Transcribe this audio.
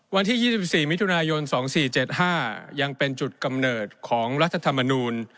วันที่๒๔มิถุนายน๒๔๗๕ยังเป็นจุดกำเนิดของรัฐธรรมนูล